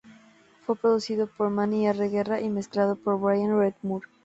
Fue producido por Manny R. Guerra y mezclado por Brian "Red" Moore.